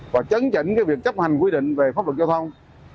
và chấn chỉnh việc chấp hành quy định về pháp luật giao thông